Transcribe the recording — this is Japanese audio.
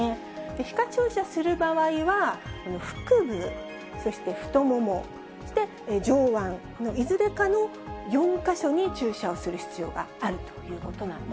皮下注射する場合は、腹部、そして太もも、そして上腕のいずれかの４か所に注射をする必要があるということ